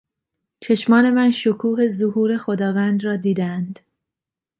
چشمان من شکوه ظهور خداوند را دیدهاند...